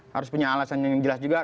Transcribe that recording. harus punya alasan yang jelas juga